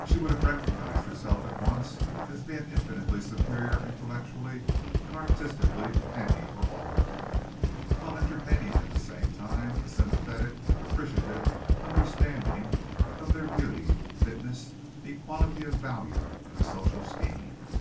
She would have recognized herself at once as being infinitely superior intellectually and artistically to any or all of them, while entertaining at the same time a sympathetic, appreciative understanding of their beauty, fitness, equality of value in the social scheme.